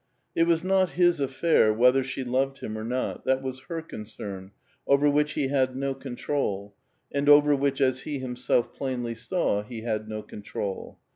It was not his afl'air whether she loved him or not ; that was her concern, over which be bad no control, and over which as ho himself plainly saw, be bad no control.